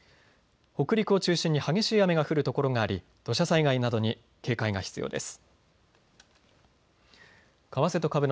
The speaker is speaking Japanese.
北陸を中心に激しい雨が降る所があり土砂災害などに警戒が必要です。